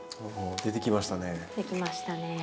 出てきましたね。